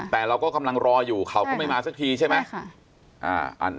แต่เราก็กำลังรออยู่เขาก็ไม่มาสักทีใช่ไหม